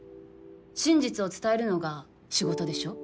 真実を伝えるのが仕事でしょ？